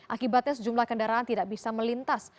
akibatnya sejumlah kendaraan tidak bisa melintas